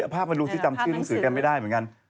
ภาพมันดูที่จำชื่อหนังสือกันไม่ได้เหมือนกัน